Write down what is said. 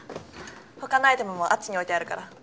他のアイテムもあっちに置いてあるから。